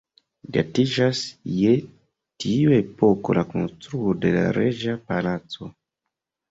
Datiĝas je tiu epoko la konstruo de la “reĝa Palaco”.